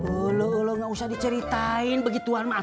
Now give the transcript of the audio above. ulu ulu nggak usah diceritain begituan maaf